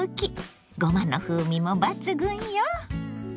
ごまの風味も抜群よ！